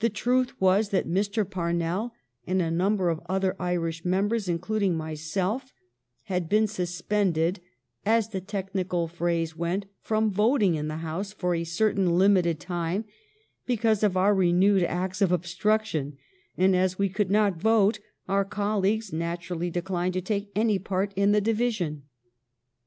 The truth was that Mr. Parnell and a number of other Irish members, including myself, had been sus pended, as the technical phrase went, from voting in the House for a certain limited time because of our renewed acts of obstruction, and, as we could not vote, our colleagues naturally declined to take any part in the division.